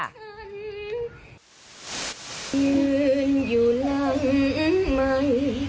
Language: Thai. ฉันยืนอยู่หลังใหม่